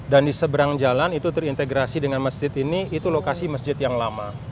di seberang jalan itu terintegrasi dengan masjid ini itu lokasi masjid yang lama